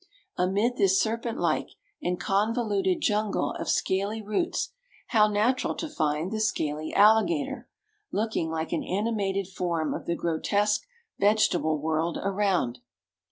Amid this serpent like and convoluted jungle of scaly roots, how natural to find the scaly alligator, looking like an animated form of the grotesque vegetable world around!